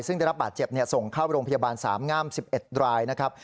ซึ่งได้รับบาดเจ็บส่งเข้าโรงพยาบาลสามงาม๑๑รายนะครับ